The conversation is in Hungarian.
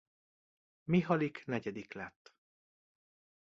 Mihalik negyedik lett.